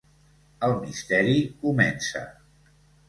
El misteri comença.